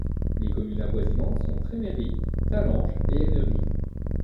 Les communes avoisinantes sont Trémery, Talange et Ennery.